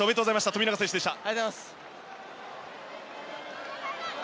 富永選手でした。